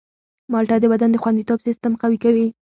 مالټه د بدن د خوندیتوب سیستم قوي کوي.